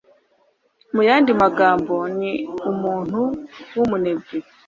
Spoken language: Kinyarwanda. Muyandi magambo, ni umuntu wumunebwe.